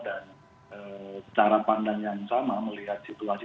dan cara pandang yang sama melihat situasi